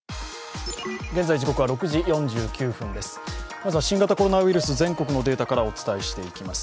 まずは新型コロナウイルス、全国のデータからお知らせしていきます。